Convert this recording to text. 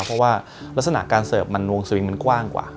เพราะว่ารักษณะการเสิร์ฟมันวงสวิงมันกว้างกว่า